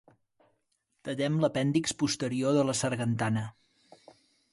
Tallem l'apèndix posterior de la sargantana.